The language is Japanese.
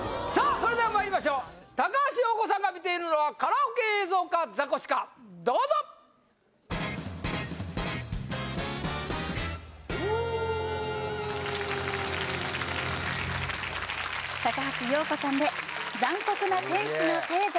それではまいりましょう高橋洋子さんが見ているのはカラオケ映像かザコシかどうぞ高橋洋子さんで「残酷な天使のテーゼ」